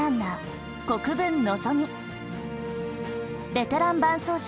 ベテラン伴走者